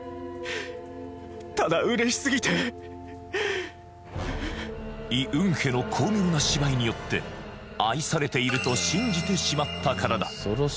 ああイ・ウンヘの巧妙な芝居によって愛されていると信じてしまったからだ